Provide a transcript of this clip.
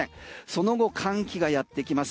その後、寒気がやってきます。